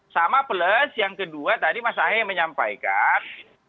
sama plus yang kedua tadi mas ahy menyampaikan